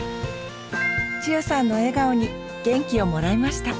千代さんの笑顔に元気をもらいました。